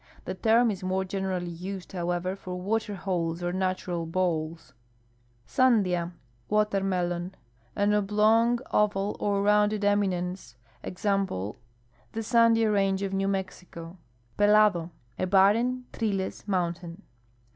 The term is more generally u.sed, however, for water holes or natural bowls. SorifUa (watermelon). — An oblong, oval, or rounded eminence. Exam ple, the Sandia range of New Mexico. Pelado. — A barren, treele.ss mountain.